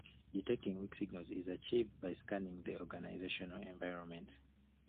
Detecting weak signals is achieved by scanning the organizational environment.